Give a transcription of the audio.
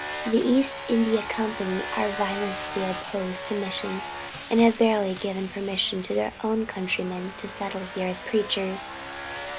The East India Company are violently opposed to missions, and have barely given permission to their own countrymen to settle here as preachers.